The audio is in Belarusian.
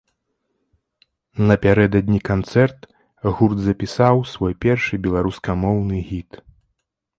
Напярэдадні канцэрт гурт запісаў свой першы беларускамоўны гіт.